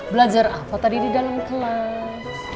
belajar apa tadi di dalam kelas